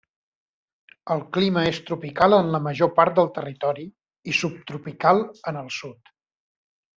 El clima és tropical en la major part del territori, i subtropical en el sud.